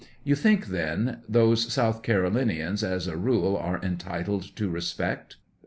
You think, then, those South Carolinians, as a rule, are entitled to respect